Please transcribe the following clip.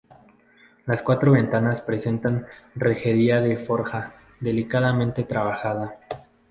Las cuatro ventanas presentan rejería de forja, delicadamente trabajada.